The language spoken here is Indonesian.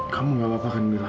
kamu gak lakukan camilla